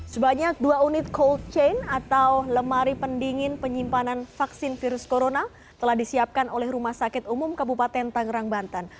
sebanyak dua unit cold chain atau lemari pendingin penyimpanan vaksin virus corona telah disiapkan oleh rumah sakit umum kabupaten tangerang banten